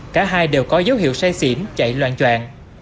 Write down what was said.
cả hai đều có dấu hiệu say xỉn chạy loạn troạn